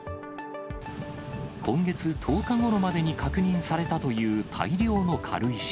今月１０日ごろまでに確認されたという大量の軽石。